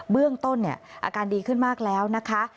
เบื้องต้นอาการดีขึ้นมากแล้วนะคะ